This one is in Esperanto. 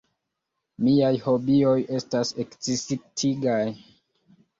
Miaj hobioj estas ekscitigaj.